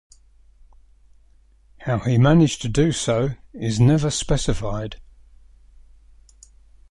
How he managed to do so is never specified.